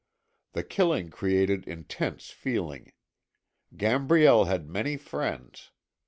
The killing created intense feeling. Gambriel had many friends.